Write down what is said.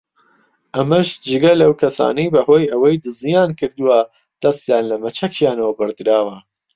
ئەمەش جگە لەو کەسانەی بەهۆی ئەوەی دزییان کردووە دەستیان لە مەچەکیانەوە بڕدراوە